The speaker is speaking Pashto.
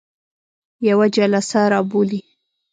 یوه جلسه را بولي.